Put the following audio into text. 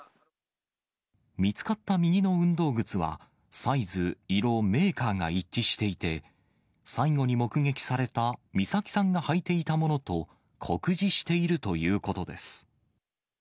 見つかった右の運動靴は、サイズ、色、メーカーが一致していて、最後に目撃された、美咲さんが履いていたものと酷似しているということです。